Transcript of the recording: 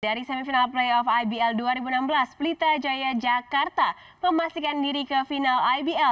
dari semifinal playoff ibl dua ribu enam belas pelita jaya jakarta memastikan diri ke final ibl